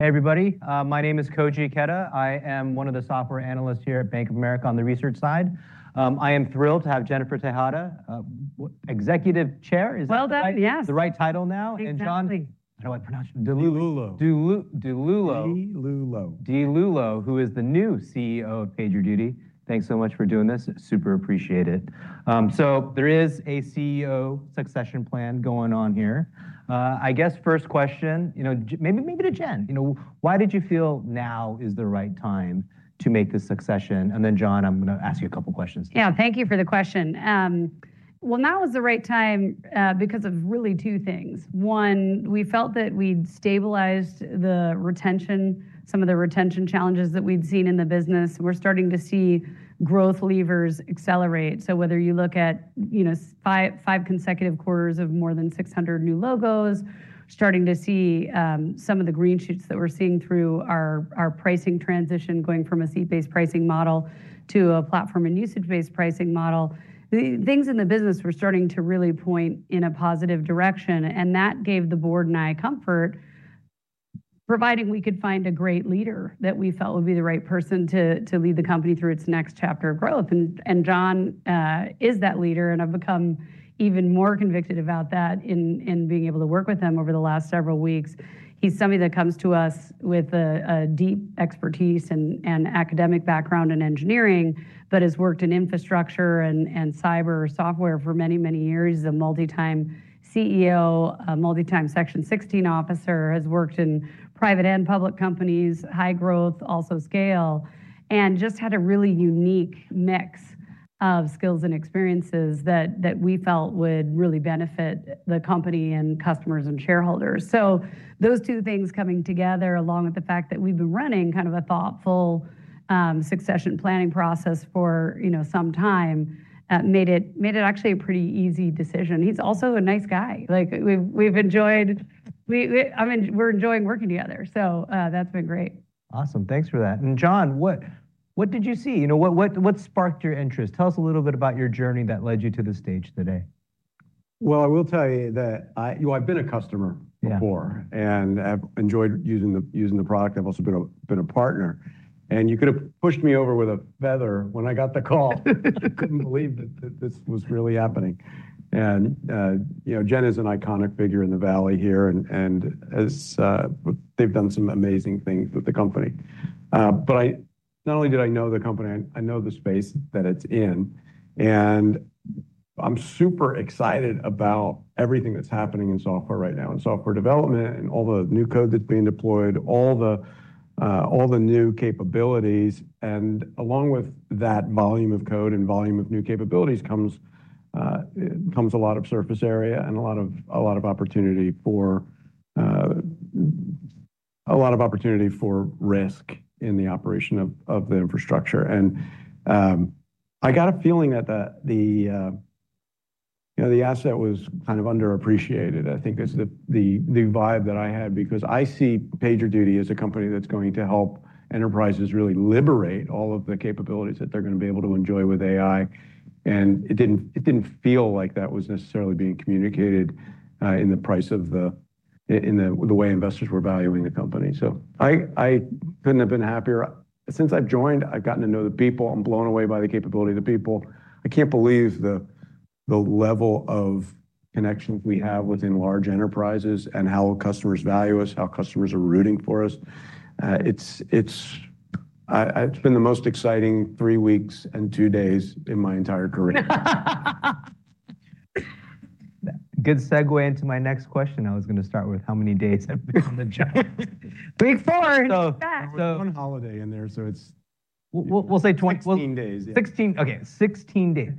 Hey, everybody. My name is Koji Ikeda. I am one of the software analysts here at Bank of America on the research side. I am thrilled to have Jennifer Tejada, Executive Chair. Well done. Yes. The right title now? Exactly. DiLullo, who is the new CEO of PagerDuty. Thanks so much for doing this. Super appreciate it. There is a CEO succession plan going on here. I guess first question, maybe to Jen. Why did you feel now is the right time to make this succession? John, I'm going to ask you a couple questions. Yeah, thank you for the question. Well, now is the right time because of really two things. One, we felt that we'd stabilized some of the retention challenges that we'd seen in the business. We're starting to see growth levers accelerate. Whether you look at five consecutive quarters of more than 600 new logos, starting to see some of the green shoots that we're seeing through our pricing transition, going from a seat-based pricing model to a platform and usage-based pricing model. Things in the business were starting to really point in a positive direction, and that gave the board and I comfort, providing we could find a great leader that we felt would be the right person to lead the company through its next chapter of growth. John is that leader, and I've become even more convicted about that in being able to work with him over the last several weeks. He's somebody that comes to us with a deep expertise and academic background in engineering, but has worked in infrastructure and cyber software for many, many years. He's a multi-time CEO, a multi-time Section 16 officer, has worked in private and public companies, high growth, also scale, and just had a really unique mix of skills and experiences that we felt would really benefit the company and customers and shareholders. Those two things coming together, along with the fact that we've been running a thoughtful succession planning process for some time, made it actually a pretty easy decision. He's also a nice guy. We're enjoying working together, so that's been great. Awesome. Thanks for that. John, what did you see? What sparked your interest? Tell us a little bit about your journey that led you to the stage today. Well, I will tell you that I've been a customer before. I've enjoyed using the product. I've also been a partner, and you could've pushed me over with a feather when I got the call. I couldn't believe that this was really happening. Jen is an iconic figure in the Valley here, and they've done some amazing things with the company. Not only did I know the company, I know the space that it's in, and I'm super excited about everything that's happening in software right now, in software development, and all the new code that's being deployed, all the new capabilities. Along with that volume of code and volume of new capabilities comes a lot of surface area and a lot of opportunity for risk in the operation of the infrastructure. I got a feeling that the asset was underappreciated. I think that's the vibe that I had because I see PagerDuty as a company that's going to help enterprises really liberate all of the capabilities that they're going to be able to enjoy with AI. It didn't feel like that was necessarily being communicated in the way investors were valuing the company. I couldn't have been happier. Since I've joined, I've gotten to know the people. I'm blown away by the capability of the people. I can't believe the level of connections we have within large enterprises and how customers value us, how customers are rooting for us. It's been the most exciting three weeks and two days in my entire career. Good segue into my next question. I was going to start with, how many days have been on the job? Big Four. There was one holiday in there. We'll say 20. 16 days, yeah. Okay. 16 days.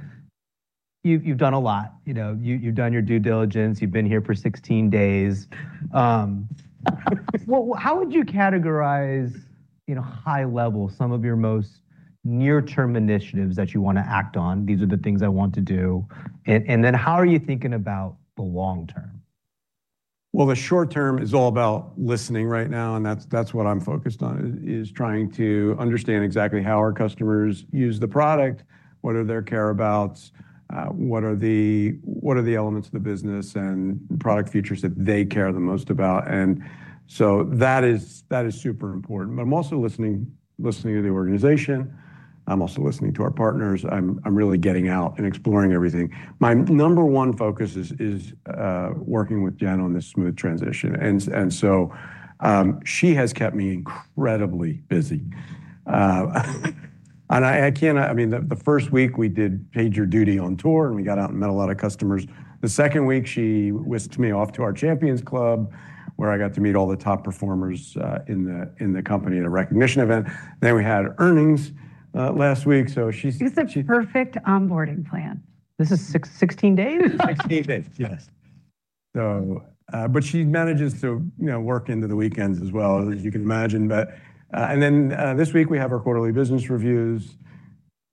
You've done a lot. You've done your due diligence. You've been here for 16 days. How would you categorize, high level, some of your most near-term initiatives that you want to act on? These are the things I want to do. How are you thinking about the long term? The short term is all about listening right now, and that's what I'm focused on, is trying to understand exactly how our customers use the product, what are their care abouts, what are the elements of the business and product features that they care the most about. That is super important. I'm also listening to the organization. I'm also listening to our partners. I'm really getting out and exploring everything. My number one focus is working with Jennifer on this smooth transition. She has kept me incredibly busy. The first week, we did PagerDuty on Tour, and we got out and met a lot of customers. The second week, she whisked me off to our Champion's Club, where I got to meet all the top performers in the company at a recognition event. We had earnings last week. It's a perfect onboarding plan. This is 16 days? 16 days, yes. She manages to work into the weekends as well, as you can imagine. This week, we have our quarterly business reviews.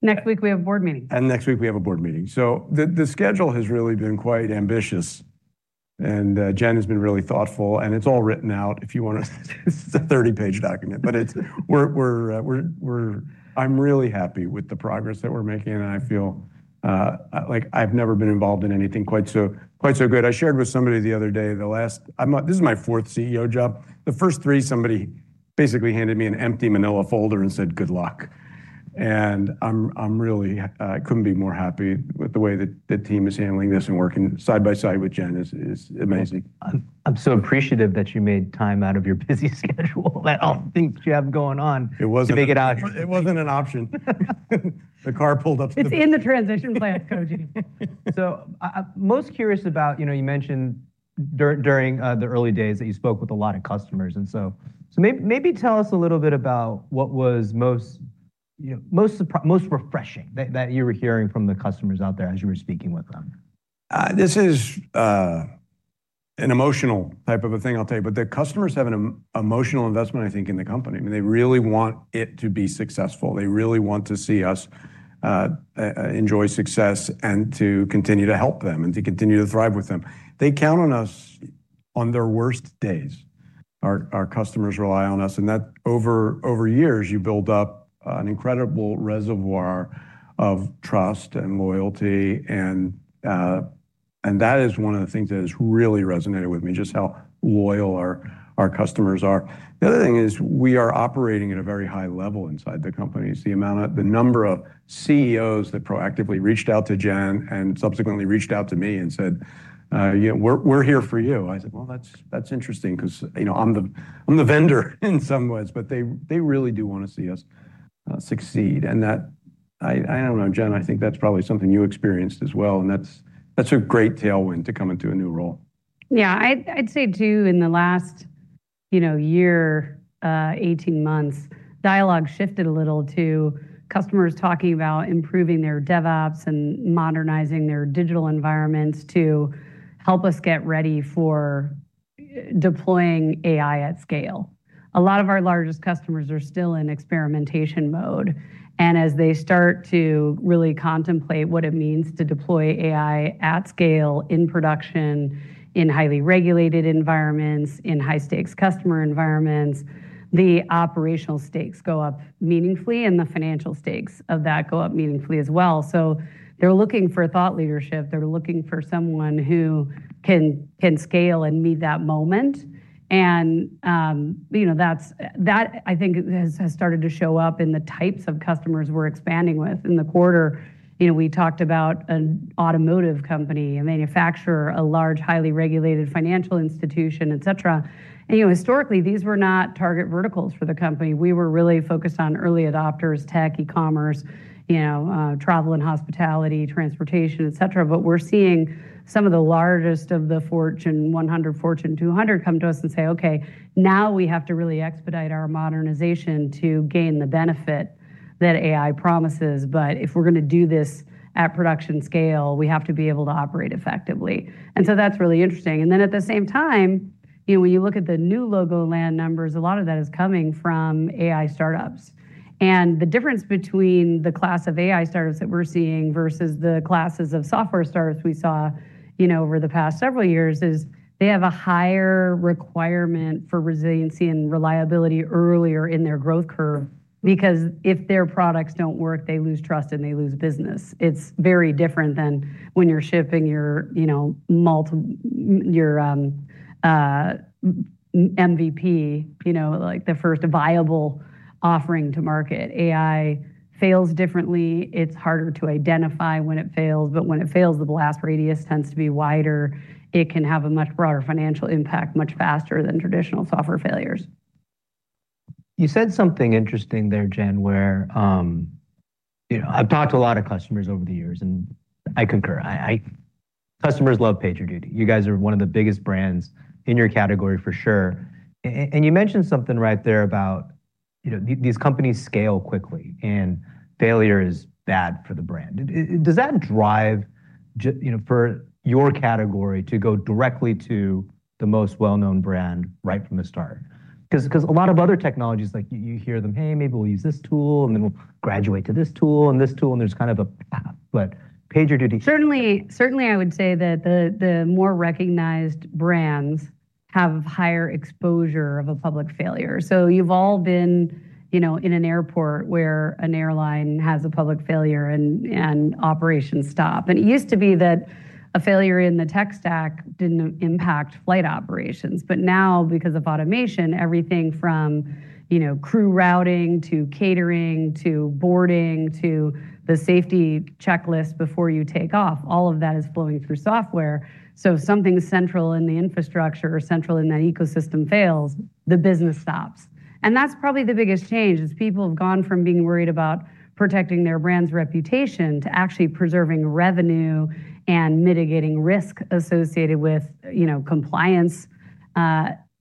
Next week we have a board meeting. Next week we have a board meeting. The schedule has really been quite ambitious, and Jen has been really thoughtful, and it's all written out. It's a 30-page document. I'm really happy with the progress that we're making, and I feel like I've never been involved in anything quite so good. I shared with somebody the other day, this is my fourth CEO job. The first three, somebody basically handed me an empty manila folder and said, "Good luck." I couldn't be more happy with the way the team is handling this, and working side by side with Jen is amazing. I'm so appreciative that you made time out of your busy schedule and all the things you have going on to make it out here. it wasn't an option. It's in the transition plan, Koji. Most curious about, you mentioned during the early days that you spoke with a lot of customers. Maybe tell us a little bit about what was most refreshing that you were hearing from the customers out there as you were speaking with them? This is an emotional type of a thing, I'll tell you, but the customers have an emotional investment, I think, in the company, and they really want it to be successful. They really want to see us enjoy success, and to continue to help them, and to continue to thrive with them. They count on us on their worst days. Our customers rely on us, and over years, you build up an incredible reservoir of trust and loyalty. That is one of the things that has really resonated with me, just how loyal our customers are. The other thing is we are operating at a very high level inside the company. The number of CEOs that proactively reached out to Jen and subsequently reached out to me and said, "We're here for you." I said, "Well, that's interesting because I'm the vendor in some ways," but they really do want to see us succeed. I don't know, Jen, I think that's probably something you experienced as well, and that's a great tailwind to come into a new role. Yeah. I'd say, too, in the last year, 18 months, dialogue shifted a little to customers talking about improving their DevOps and modernizing their digital environments to help us get ready for deploying AI at scale. A lot of our largest customers are still in experimentation mode, As they start to really contemplate what it means to deploy AI at scale, in production, in highly regulated environments, in high-stakes customer environments, the operational stakes go up meaningfully, and the financial stakes of that go up meaningfully as well. They're looking for thought leadership. They're looking for someone who can scale and meet that moment. That, I think, has started to show up in the types of customers we're expanding with. In the quarter, we talked about an automotive company, a manufacturer, a large, highly regulated financial institution, et cetera. Historically, these were not target verticals for the company. We were really focused on early adopters, tech, e-commerce, travel and hospitality, transportation, et cetera. We're seeing some of the largest of the Fortune 100, Fortune 200 come to us and say, "Okay, now we have to really expedite our modernization to gain the benefit that AI promises. If we're going to do this at production scale, we have to be able to operate effectively." That's really interesting. At the same time, when you look at the new logo land numbers, a lot of that is coming from AI startups. The difference between the class of AI startups that we're seeing versus the classes of software startups we saw over the past several years is they have a higher requirement for resiliency and reliability earlier in their growth curve, because if their products don't work, they lose trust and they lose business. It's very different than when you're shipping your MVP, the first viable offering to market. AI fails differently. It's harder to identify when it fails, but when it fails, the blast radius tends to be wider. It can have a much broader financial impact much faster than traditional software failures. You said something interesting there, Jennifer, where I've talked to a lot of customers over the years. I concur. Customers love PagerDuty. You guys are one of the biggest brands in your category for sure. You mentioned something right there about these companies scale quickly, and failure is bad for the brand. Does that drive for your category to go directly to the most well-known brand right from the start? A lot of other technologies, you hear them, maybe we'll use this tool, and then we'll graduate to this tool and this tool. There's kind of a path. PagerDuty. Certainly, I would say that the more recognized brands have higher exposure of a public failure. You've all been in an airport where an airline has a public failure and operations stop. It used to be that a failure in the tech stack didn't impact flight operations. Now because of automation, everything from crew routing to catering, to boarding, to the safety checklist before you take off, all of that is flowing through software. If something central in the infrastructure or central in that ecosystem fails, the business stops. That's probably the biggest change is people have gone from being worried about protecting their brand's reputation to actually preserving revenue and mitigating risk associated with compliance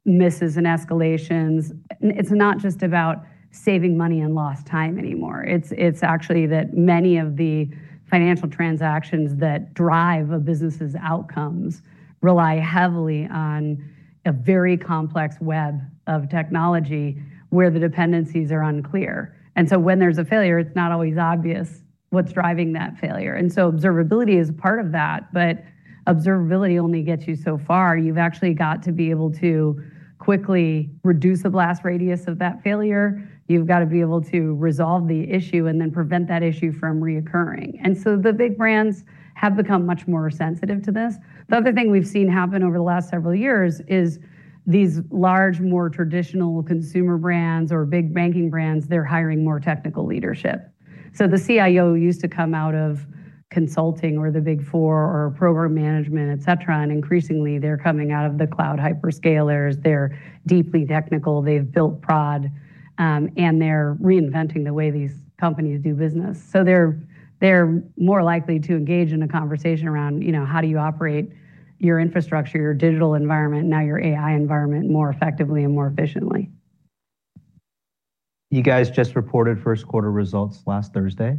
misses and escalations. It's not just about saving money and lost time anymore. It's actually that many of the financial transactions that drive a business's outcomes rely heavily on a very complex web of technology where the dependencies are unclear. When there's a failure, it's not always obvious what's driving that failure. Observability is a part of that. Observability only gets you so far. You've actually got to be able to quickly reduce the blast radius of that failure. You've got to be able to resolve the issue and then prevent that issue from reoccurring. The big brands have become much more sensitive to this. The other thing we've seen happen over the last several years is these large, more traditional consumer brands or big banking brands, they're hiring more technical leadership. The CIO used to come out of consulting or the Big Four or program management, et cetera, and increasingly, they're coming out of the cloud hyperscalers. They're deeply technical, they've built prod, and they're reinventing the way these companies do business. They're more likely to engage in a conversation around how do you operate your infrastructure, your digital environment, now your AI environment, more effectively and more efficiently. You guys just reported first quarter results last Thursday.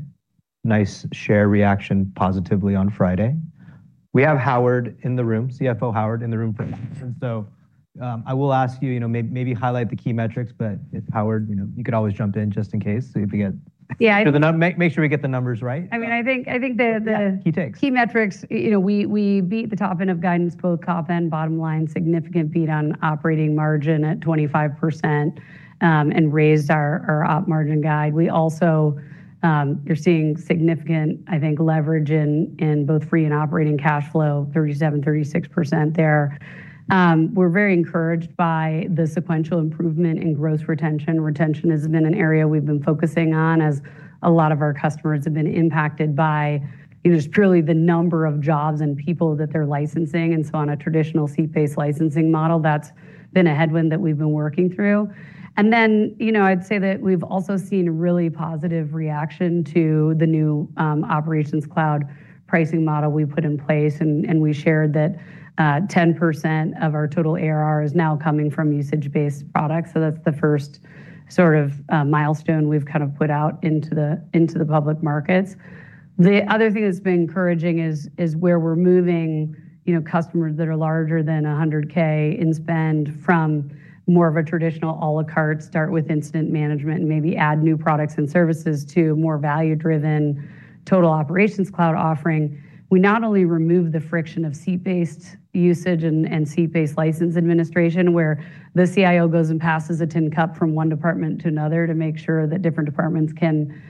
Nice share reaction positively on Friday. We have Howard in the room, CFO Howard in the room. I will ask you, maybe highlight the key metrics, but if Howard, you could always jump in just in case, so you'd be good. Yeah. Make sure we get the numbers right. I think the key metrics, we beat the top end of guidance, both top and bottom line, significant beat on operating margin at 25%, and raised our op margin guide. We're also seeing significant, I think, leverage in both free and operating cash flow, 37%, 36% there. We're very encouraged by the sequential improvement in gross retention. Retention has been an area we've been focusing on as a lot of our customers have been impacted by just truly the number of jobs and people that they're licensing. On a traditional seat-based licensing model, that's been a headwind that we've been working through. I'd say that we've also seen a really positive reaction to the new operations cloud pricing model we put in place, and we shared that 10% of our total ARR is now coming from usage-based products. That's the first sort of milestone we've kind of put out into the public markets. The other thing that's been encouraging is where we're moving customers that are larger than $100,000 in spend from more of a traditional a la carte start with incident management and maybe add new products and services to more value-driven total Operations Cloud offering. We not only remove the friction of seat-based usage and seat-based license administration where the CIO goes and passes a tin cup from one department to another to make sure that different departments can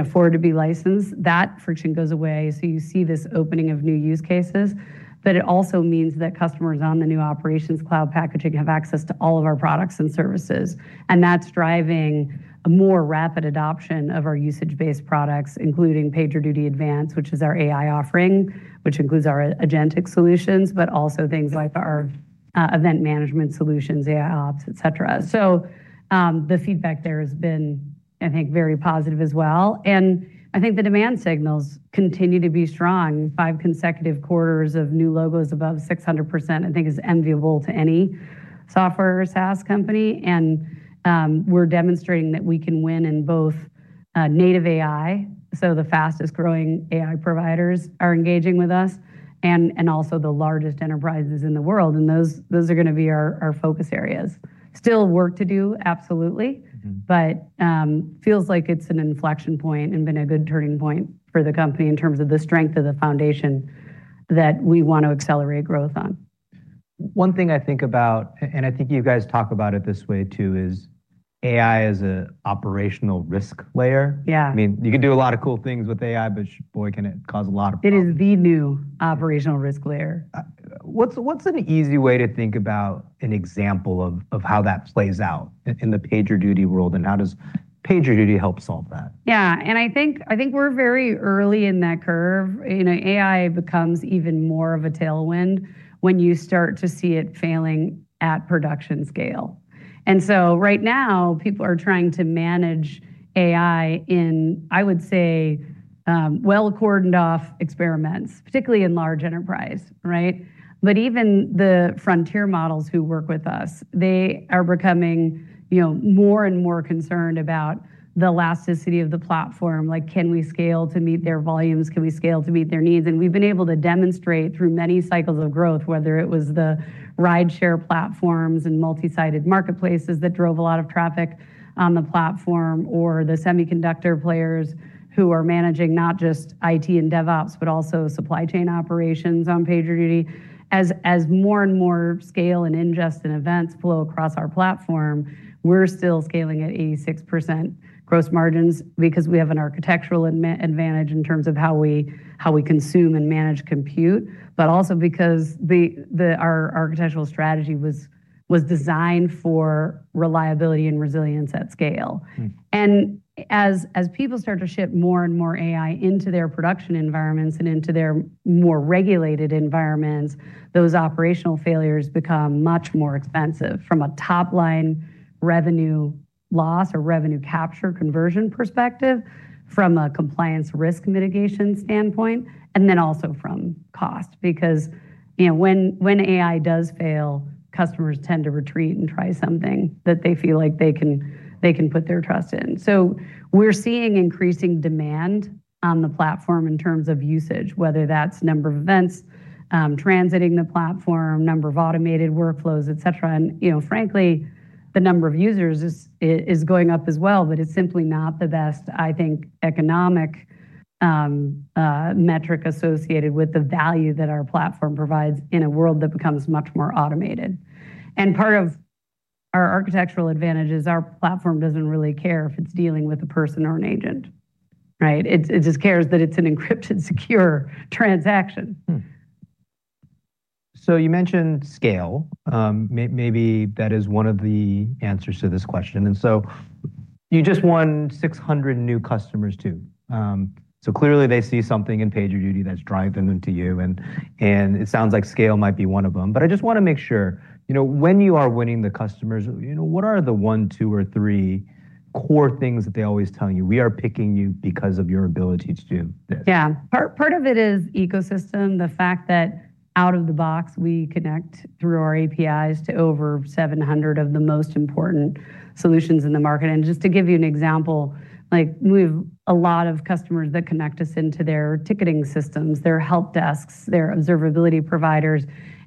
afford to be licensed. That friction goes away, you see this opening of new use cases. It also means that customers on the new Operations Cloud packaging have access to all of our products and services. That's driving a more rapid adoption of our usage-based products, including PagerDuty Advance, which is our AI offering, which includes our agentic solutions, but also things like our event management solutions, AIOps, et cetera. The feedback there has been, I think, very positive as well. I think the demand signals continue to be strong. Five consecutive quarters of new logos above 600 I think is enviable to any software or SaaS company. We're demonstrating that we can win in both native AI, so the fastest-growing AI providers are engaging with us, and also the largest enterprises in the world. Those are going to be our focus areas. Still work to do, absolutely. Feels like it's an inflection point and been a good turning point for the company in terms of the strength of the foundation that we want to accelerate growth on. One thing I think about, and I think you guys talk about it this way, too, is AI as an operational risk layer. You can do a lot of cool things with AI, but boy, can it cause a lot of problems. It is the new operational risk layer. What's an easy way to think about an example of how that plays out in the PagerDuty world, and how does PagerDuty help solve that? Yeah. I think we're very early in that curve. AI becomes even more of a tailwind when you start to see it failing at production scale. Right now, people are trying to manage AI in, I would say, well-cordoned-off experiments, particularly in large enterprise, right? Even the frontier models who work with us, they are becoming more and more concerned about the elasticity of the platform, like can we scale to meet their volumes? Can we scale to meet their needs? We've been able to demonstrate through many cycles of growth, whether it was the rideshare platforms and multi-sided marketplaces that drove a lot of traffic on the platform, or the semiconductor players who are managing not just IT and DevOps, but also supply chain operations on PagerDuty. As more and more scale and ingest and events flow across our platform, we're still scaling at 86% gross margins because we have an architectural advantage in terms of how we consume and manage compute, but also because our architectural strategy was designed for reliability and resilience at scale. As people start to ship more and more AI into their production environments and into their more regulated environments, those operational failures become much more expensive from a top-line revenue loss or revenue capture conversion perspective, from a compliance risk mitigation standpoint, and then also from cost. When AI does fail, customers tend to retreat and try something that they feel like they can put their trust in. We're seeing increasing demand on the platform in terms of usage, whether that's number of events transiting the platform, number of automated workflows, et cetera. Frankly, the number of users is going up as well, but it's simply not the best, I think, economic metric associated with the value that our platform provides in a world that becomes much more automated. Part of our architectural advantage is our platform doesn't really care if it's dealing with a person or an agent, right? It just cares that it's an encrypted, secure transaction. You mentioned scale. Maybe that is one of the answers to this question. You just won 600 new customers, too. Clearly they see something in PagerDuty that's driving them to you, and it sounds like scale might be one of them. I just want to make sure, when you are winning the customers, what are the one, two, or three core things that they're always telling you? "We are picking you because of your ability to do this. Yeah. Part of it is ecosystem, the fact that out of the box, we connect through our APIs to over 700 of the most important solutions in the market. Just to give you an example, we have a lot of customers that connect us into their ticketing systems, their help desks, their observability providers,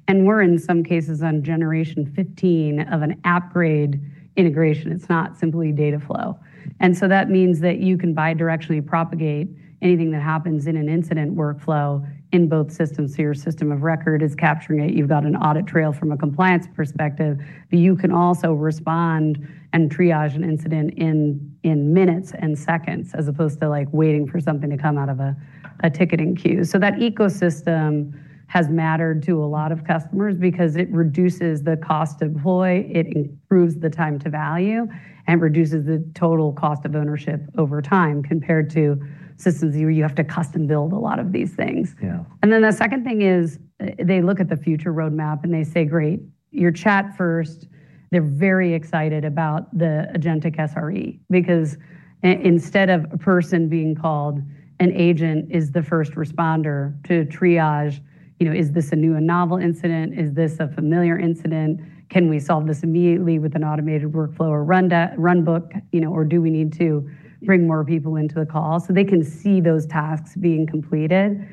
and we're, in some cases, on generation 15 of an upgrade integration. It's not simply data flow. That means that you can bidirectionally propagate anything that happens in an incident workflow in both systems. Your system of record is capturing it. You've got an audit trail from a compliance perspective, but you can also respond and triage an incident in minutes and seconds as opposed to waiting for something to come out of a ticketing queue. That ecosystem has mattered to a lot of customers because it reduces the cost to deploy, it improves the time to value, and reduces the total cost of ownership over time compared to systems where you have to custom build a lot of these things. The second thing is they look at the future roadmap, and they say, "Great, you're chat first." They're very excited about the Agentic SRE because instead of a person being called, an agent is the first responder to triage. Is this a new and novel incident? Is this a familiar incident? Can we solve this immediately with an automated workflow or run book? Do we need to bring more people into the call? They can see those tasks being completed.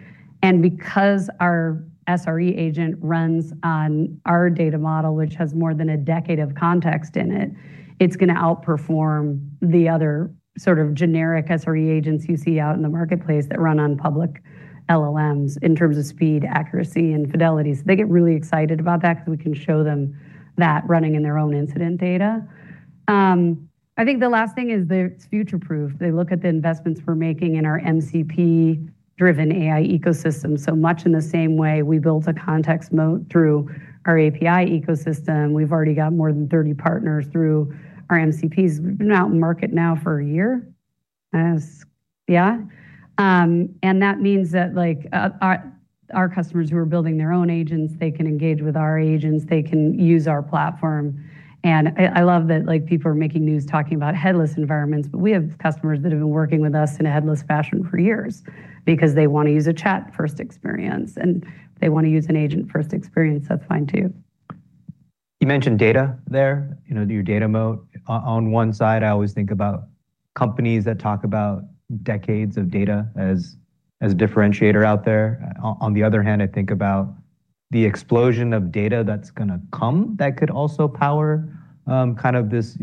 Because our SRE Agent runs on our data model, which has more than a decade of context in it's going to outperform the other sort of generic SRE Agents you see out in the marketplace that run on public LLMs in terms of speed, accuracy, and fidelity. They get really excited about that because we can show them that running in their own incident data. I think the last thing is that it's future-proof. They look at the investments we're making in our MCP-driven AI ecosystem. Much in the same way we built a context moat through our API ecosystem. We've already got more than 30 partners through our MCPs. We've been out in market now for a year. Yeah. That means that our customers who are building their own agents, they can engage with our agents. They can use our platform. I love that people are making news talking about headless environments, but we have customers that have been working with us in a headless fashion for years because they want to use a chat-first experience, and they want to use an agent-first experience. That's fine, too. You mentioned data there, your data moat. On one side, I always think about companies that talk about decades of data as a differentiator out there. On the other hand, I think about the explosion of data that's going to come that could also power this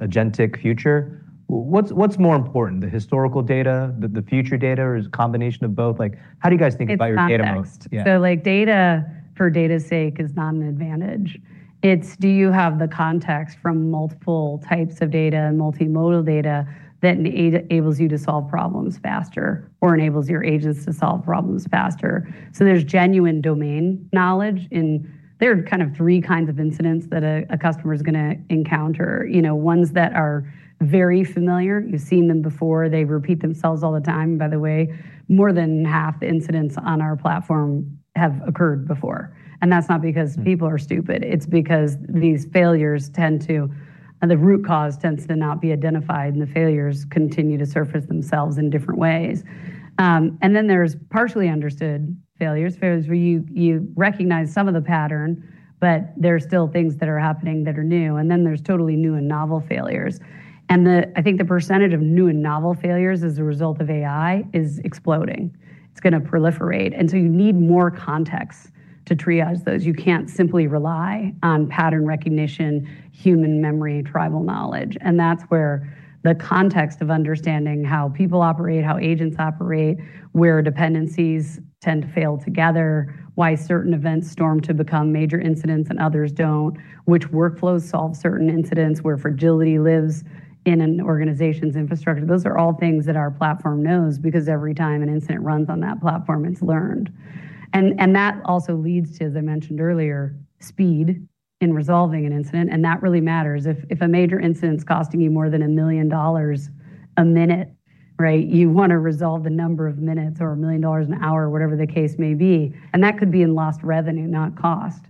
agentic future. What's more important, the historical data, the future data, or is it a combination of both? How do you guys think about your data moat? It's context. Yeah. Data for data's sake is not an advantage. It's do you have the context from multiple types of data and multimodal data that enables you to solve problems faster or enables your agents to solve problems faster. There's genuine domain knowledge, and there are three kinds of incidents that a customer's going to encounter. Ones that are very familiar. You've seen them before. They repeat themselves all the time. By the way, more than half the incidents on our platform have occurred before. That's not because people are stupid. It's because The root cause tends to not be identified, and the failures continue to surface themselves in different ways. There's partially understood failures where you recognize some of the pattern, but there are still things that are happening that are new. There's totally new and novel failures. I think the percentage of new and novel failures as a result of AI is exploding. It's going to proliferate. You need more context to triage those. You can't simply rely on pattern recognition, human memory, tribal knowledge. That's where the context of understanding how people operate, how agents operate, where dependencies tend to fail together, why certain events storm to become major incidents and others don't, which workflows solve certain incidents, where fragility lives in an organization's infrastructure. Those are all things that our platform knows because every time an incident runs on that platform, it's learned. That also leads to, as I mentioned earlier, speed in resolving an incident, and that really matters. If a major incident's costing you more than $1 million a minute, you want to resolve the number of minutes or $1 million an hour, whatever the case may be. That could be in lost revenue, not cost.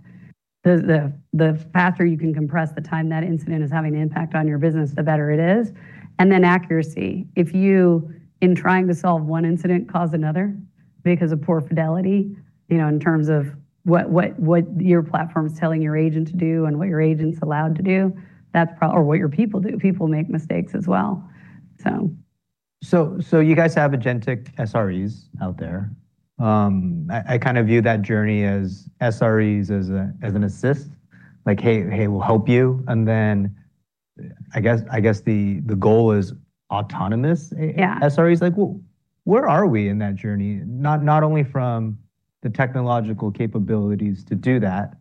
The faster you can compress the time that incident is having an impact on your business, the better it is. Accuracy. If you, in trying to solve one incident, cause another because of poor fidelity, in terms of what your platform's telling your agent to do and what your agent's allowed to do, or what your people do. People make mistakes as well. You guys have Agentic SREs out there. I kind of view that journey as SREs as an assist. Like, "Hey, we'll help you." Then I guess the goal is autonomous SREs. Yeah. Where are we in that journey? Not only from the technological capabilities to do that,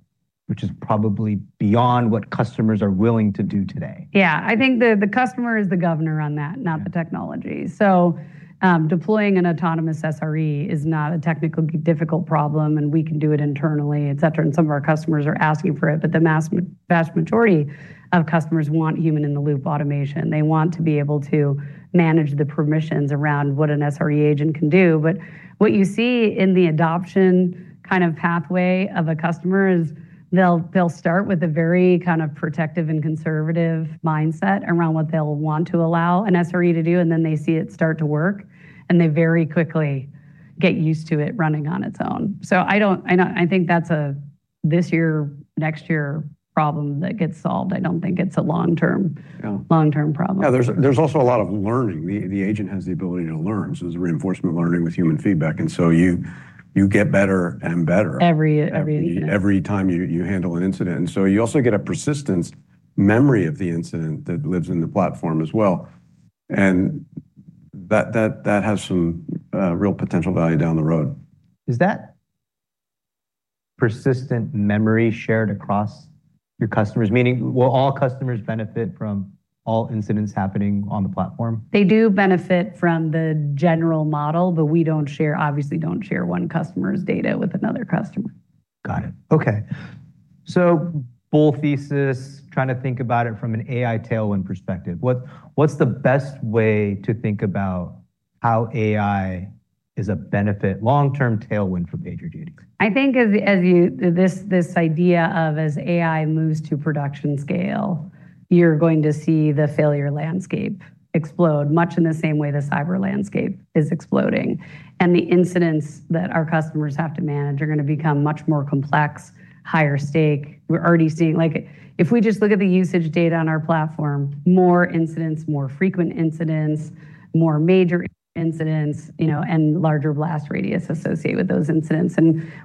which is probably beyond what customers are willing to do today. Yeah. I think the customer is the governor on that, not the technology. Deploying an autonomous SRE is not a technically difficult problem, and we can do it internally, et cetera, and some of our customers are asking for it. The vast majority of customers want human-in-the-loop automation. They want to be able to manage the permissions around what an SRE Agent can do. What you see in the adoption pathway of a customer is they'll start with a very protective and conservative mindset around what they'll want to allow an SRE to do, and then they see it start to work, and they very quickly get used to it running on its own. I think that's a this year, next year problem that gets solved. I don't think it's a long-term problem. Yeah. There's also a lot of learning. The agent has the ability to learn, so it's reinforcement learning with human feedback. You get better and better every time you handle an incident. You also get a persisten memory of the incident that lives in the platform as well, and that has some real potential value down the road. Is that persistent memory shared across your customers? Meaning, will all customers benefit from all incidents happening on the platform? They do benefit from the general model, but we obviously don't share one customer's data with another customer. Got it. Okay. Bull thesis, trying to think about it from an AI tailwind perspective, what's the best way to think about how AI is a benefit, long-term tailwind for PagerDuty? I think this idea of as AI moves to production scale, you're going to see the failure landscape explode, much in the same way the cyber landscape is exploding. The incidents that our customers have to manage are going to become much more complex, higher stake. We're already seeing, if we just look at the usage data on our platform, more incidents, more frequent incidents, more major incidents, and larger blast radius associated with those incidents.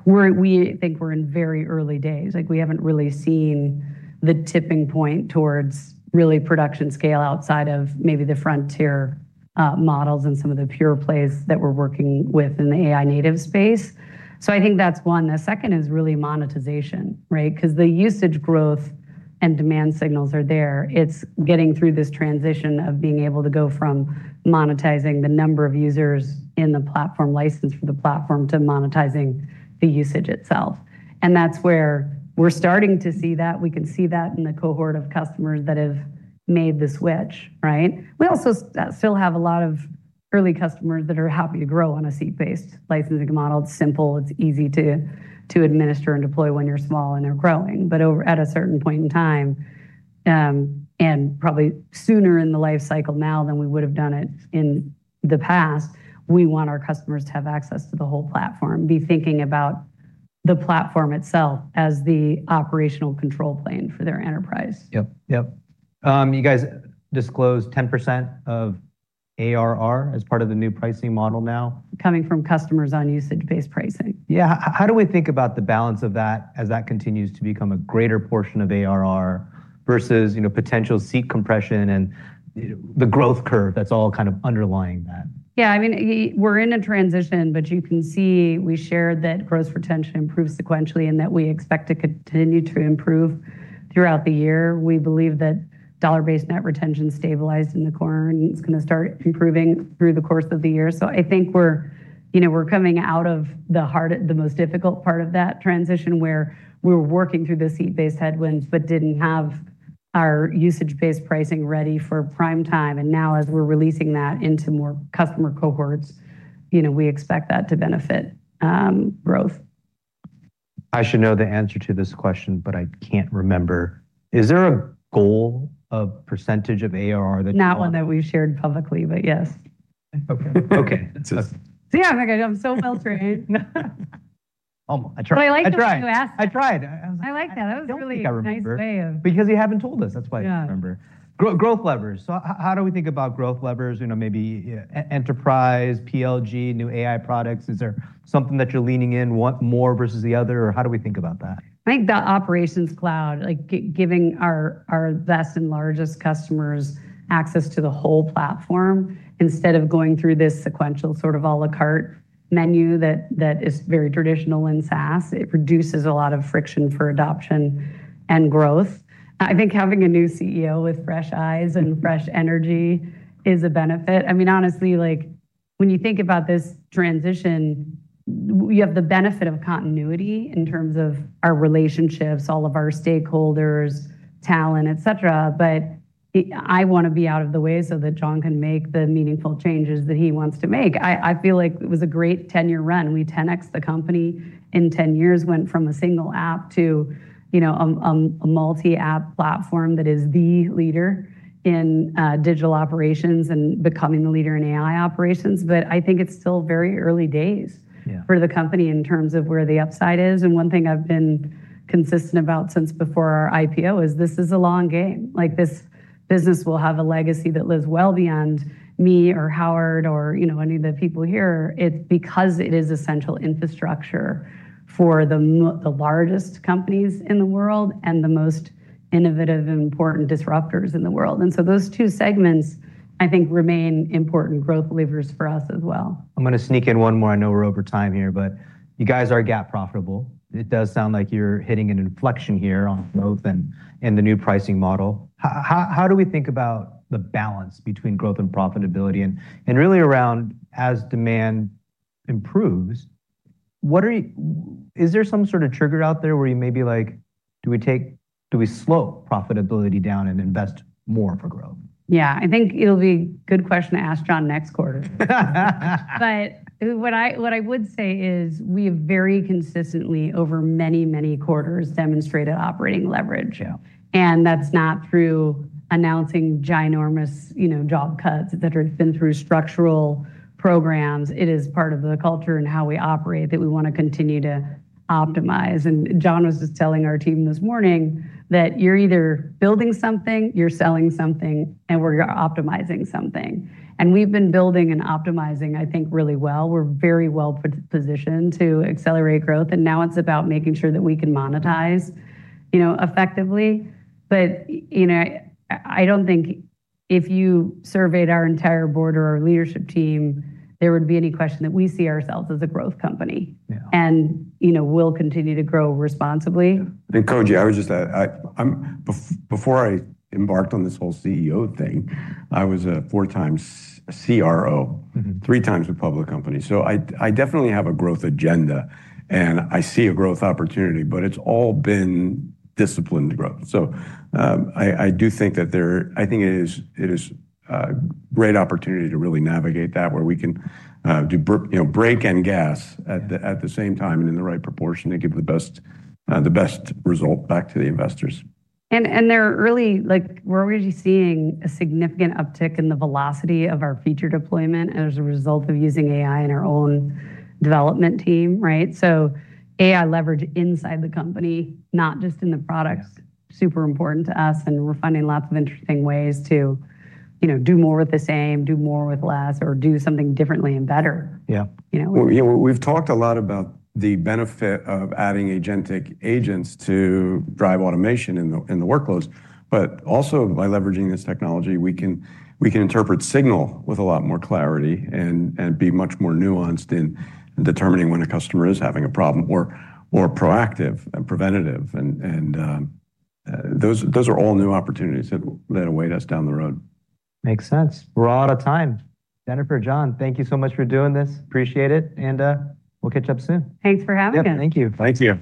We think we're in very early days. We haven't really seen the tipping point towards really production scale outside of maybe the frontier models and some of the pure plays that we're working with in the AI native space. I think that's one. The second is really monetization, right? Because the usage growth and demand signals are there. It's getting through this transition of being able to go from monetizing the number of users in the platform, license for the platform, to monetizing the usage itself. That's where we're starting to see that. We can see that in the cohort of customers that have made the switch, right? We also still have a lot of early customers that are happy to grow on a seat-based licensing model. It's simple, it's easy to administer and deploy when you're small and you're growing. At a certain point in time, and probably sooner in the life cycle now than we would've done it in the past, we want our customers to have access to the whole platform, be thinking about the platform itself as the operational control plane for their enterprise. Yep. You guys disclosed 10% of ARR as part of the new pricing model now. Coming from customers on usage-based pricing. Yeah. How do we think about the balance of that as that continues to become a greater portion of ARR versus potential seat compression and the growth curve that's all kind of underlying that? Yeah, we're in a transition, but you can see we shared that gross retention improved sequentially and that we expect it continue to improve throughout the year. We believe that dollar-based net retention stabilized in the quarter, and it's going to start improving through the course of the year. I think we're coming out of the most difficult part of that transition, where we're working through the seat-based headwinds, but didn't have our usage-based pricing ready for prime time. Now as we're releasing that into more customer cohorts, we expect that to benefit growth. I should know the answer to this question, but I can't remember. Is there a goal of % of ARR that you want? Not one that we've shared publicly, but yes. Okay. See, I'm so well-trained. I tried. I like that you asked it. I tried. I like that. That was a really- I don't think I remember. nice way of- You haven't told us. That's why I don't remember. Yeah. Growth levers. How do we think about growth levers, maybe enterprise, PLG, new AI products? Is there something that you're leaning in more versus the other, or how do we think about that? I think the Operations Cloud, giving our best and largest customers access to the whole platform instead of going through this sequential sort of à la carte menu that is very traditional in SaaS. It reduces a lot of friction for adoption and growth. I think having a new CEO with fresh eyes and fresh energy is a benefit. Honestly, when you think about this transition, you have the benefit of continuity in terms of our relationships, all of our stakeholders, talent, et cetera. I want to be out of the way so that John can make the meaningful changes that he wants to make. I feel like it was a great 10-year run. We 10x'd the company in 10 years, went from a single app to a multi-app platform that is the leader in digital operations and becoming the leader in AI operations. I think it's still very early days for the company in terms of where the upside is. One thing I've been consistent about since before our IPO is this is a long game. This business will have a legacy that lives well beyond me or Howard or any of the people here. It's because it is essential infrastructure for the largest companies in the world and the most innovative and important disruptors in the world. Those two segments, I think, remain important growth levers for us as well. I'm going to sneak in one more. I know we're over time here. You guys are GAAP profitable. It does sound like you're hitting an inflection here on growth and the new pricing model. How do we think about the balance between growth and profitability? Really around as demand improves, is there some sort of trigger out there where you maybe like, "Do we slow profitability down and invest more for growth? Yeah, I think it'll be a good question to ask John next quarter. What I would say is we've very consistently, over many, many quarters, demonstrated operating leverage. That's not through announcing ginormous job cuts that have been through structural programs. It is part of the culture and how we operate that we want to continue to optimize. John was just telling our team this morning that you're either building something, you're selling something, and/or you're optimizing something. We've been building and optimizing, I think, really well. We're very well-positioned to accelerate growth, and now it's about making sure that we can monetize effectively. I don't think if you surveyed our entire board or our leadership team, there would be any question that we see ourselves as a growth company. We'll continue to grow responsibly. Koji, before I embarked on this whole CEO thing, I was a four-time CRO. Three times with public companies. I definitely have a growth agenda, and I see a growth opportunity, but it's all been disciplined growth. I do think it is a great opportunity to really navigate that, where we can do brake and gas at the same time and in the right proportion to give the best result back to the investors. We're already seeing a significant uptick in the velocity of our feature deployment as a result of using AI in our own development team, right? AI leverage inside the company, not just in the products super important to us and we're finding lots of interesting ways to do more with the same, do more with less, or do something differently and better. We've talked a lot about the benefit of adding agentic agents to drive automation in the workloads, but also by leveraging this technology, we can interpret signal with a lot more clarity and be much more nuanced in determining when a customer is having a problem, or proactive and preventative. Those are all new opportunities that await us down the road. Makes sense. We're all out of time. Jennifer, John, thank you so much for doing this. Appreciate it, and we'll catch up soon. Thanks for having us. Yep, thank you. Thanks, guys.